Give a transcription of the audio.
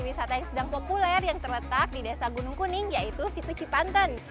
wisata yang sedang populer yang terletak di desa gunung kuning yaitu situ cipanten